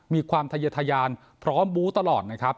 มีความทะเยิดทะยานพร้อมบู๊ตตลอด